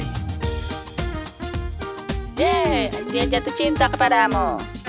yeh dia jatuh cinta kepadamu